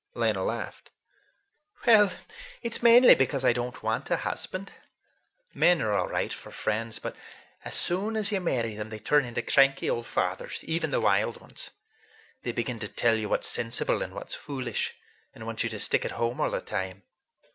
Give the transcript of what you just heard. Lena laughed. "Well, it's mainly because I don't want a husband. Men are all right for friends, but as soon as you marry them they turn into cranky old fathers, even the wild ones. They begin to tell you what's sensible and what's foolish, and want you to stick at home all the time.